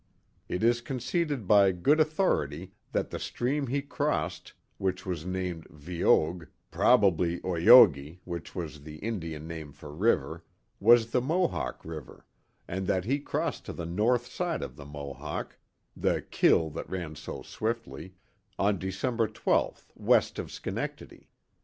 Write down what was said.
It is conceded by good authority that the stream he crossed, which was named Vyoge" (probably Oioghi, which was the Indian name for river), was the Mohawk River and that he crossed to the north side of the Mohawk (the kil that ran so swiftly) on December 12th, west of Schenectady.